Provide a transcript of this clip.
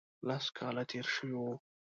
لس کاله تېر شوي وو.